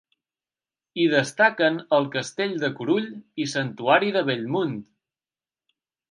Hi destaquen el Castell de Curull i Santuari de Bellmunt.